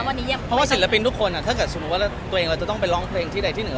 เพราะว่าศิลปินทุกคนถ้าสมมุติว่าตัวเองเราจะต้องไปร้องเพลงที่ใดที่หนึ่ง